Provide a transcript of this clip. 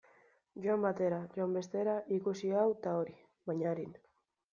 Joan batera, joan bestera, ikusi hau eta hori, baina arin.